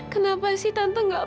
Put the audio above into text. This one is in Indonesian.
kenapa sih tante gak